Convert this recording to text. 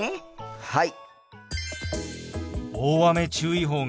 はい！